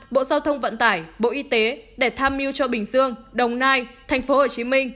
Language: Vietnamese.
bộ giao thông vận tải bộ y tế để tham mưu cho bình dương đồng nai tp hcm